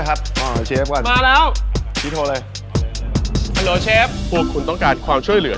ตัวช่วยให้ตัวช่วยค่ะ